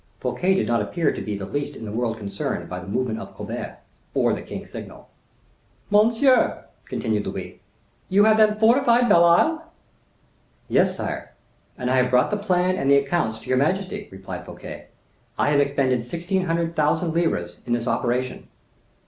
Fouquet did not appear to be the least in the world concerned by the movement of Colbert, or the king's signal. "Monsieur," continued Louis, "you have then fortified Belle Isle?" "Yes, sire; and I have brought the plan and the accounts to your majesty," replied Fouquet; "I have expended sixteen hundred livres in this operation."